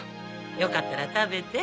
よかったら食べて。